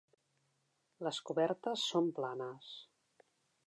Les cobertes són planes.